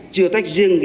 chưa tách riêng phần